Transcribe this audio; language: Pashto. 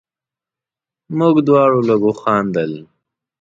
موږ دواړو لږ وخندل.